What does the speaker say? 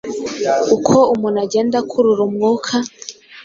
uko umuntu agenda akurura umwuka